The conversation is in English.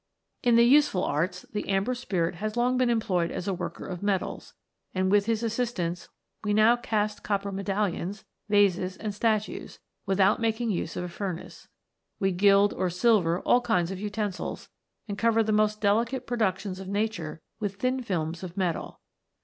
In the useful Arts the Amber Spirit has long )een employed as a worker of metals, and with his issistance we now cast copper medallions, vases, ind statues, without making use of a furnace ; we jild or silver all kinds of utensils, and cover the nost delicate productions of nature with thin films >f metal.